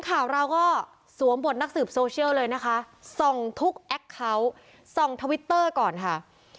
ข่าวเราก็สวมบทนักสืบโซเชียลเลยนะคะส่องทุกแอคเคาน์ส่องทวิตเตอร์ก่อนค่ะ